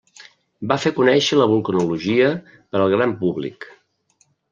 Va fer conèixer la vulcanologia per al gran públic.